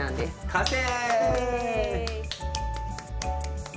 完成！